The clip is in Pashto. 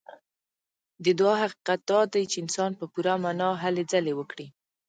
د دعا حقيقت دا دی چې انسان په پوره معنا هلې ځلې وکړي.